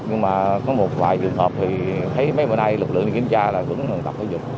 nhưng mà có một vài trường hợp thì thấy mấy bữa nay lực lượng đi kiểm tra là vẫn tập thể dục